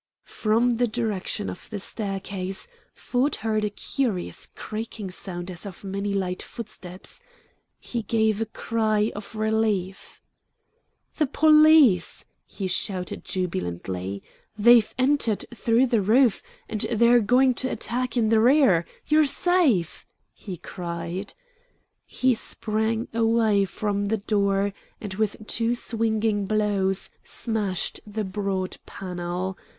From the direction of the staircase Ford heard a curious creaking sound as of many light footsteps. He gave a cry of relief. "The police!" he shouted jubilantly. "They've entered through the roof, and they're going to attack in the rear. You're SAFE!" he cried. He sprang away from the door and, with two swinging blows, smashed the broad panel.